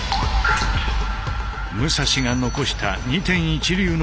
武蔵が残した二天一流の極意。